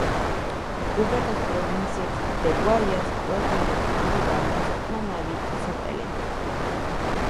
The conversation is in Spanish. Cubre las provincias de Guayas, Los Ríos, Esmeraldas, Manabí y Santa Elena.